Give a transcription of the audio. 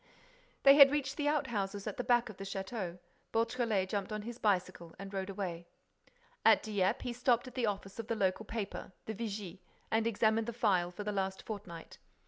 They had reached the out houses at the back of the château. Beautrelet jumped on his bicycle and rode away. At Dieppe, he stopped at the office of the local paper, the Vigie, and examined the file for the last fortnight.